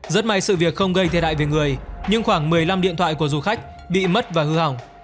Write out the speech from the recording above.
rất may sự việc không gây thiệt hại về người nhưng khoảng một mươi năm điện thoại của du khách bị mất và hư hỏng